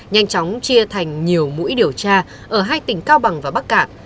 nhanh chóng chia thành nhiều mũi điều tra ở hai tỉnh cao bằng và bắc cạn